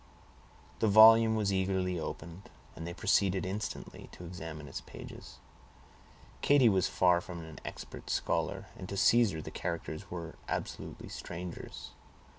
The volume was eagerly opened, and they proceeded instantly to examine its pages. Katy was far from an expert scholar, and to Caesar the characters were absolutely strangers.